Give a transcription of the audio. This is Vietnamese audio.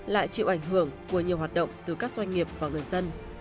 lại chịu ảnh hưởng của nhiều hoạt động từ các doanh nghiệp và người dân